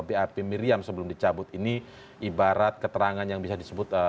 bap miriam sebelum dicabut ini ibarat keterangan yang bisa disebut